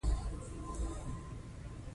دوی ته له خپلو پلرونو په میراث پاتې شوي.